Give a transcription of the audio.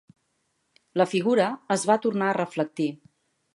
La figura es va tornar a reflectir